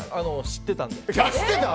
知っていたので。